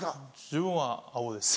自分は青です。